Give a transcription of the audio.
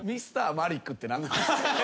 Ｍｒ．マリックって何なんすか？